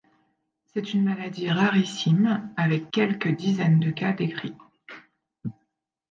C'est une maladie rarissime avec quelques dizaines de cas décrits.